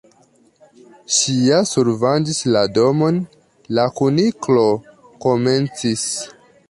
"Ŝi ja survangis la Damon—" la Kuniklo komencis.